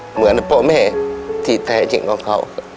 เหมือนพ่อแม่ที่แท้จริงของเขา